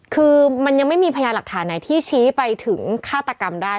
คือมันยังไม่มีพยาหลักฐานไหนที่ชี้ไปถึงฆาตกรรมได้